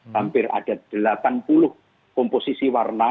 hampir ada delapan puluh komposisi warna